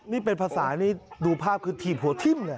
นี่เป็นภาษานี่ดูภาพคือถีบหัวทิ้ม